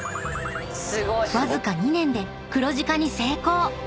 ［わずか２年で黒字化に成功］